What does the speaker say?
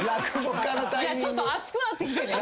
ちょっと暑くなってきてね。